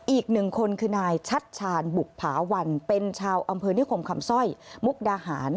อีกหนึ่งคนคือนายชัดชาญบุภาวันเป็นชาวอำเภอนิคมคำสร้อยมุกดาหาร